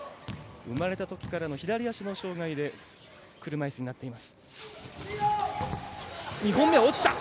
生まれたときからの左足の障がいで車いすになっています。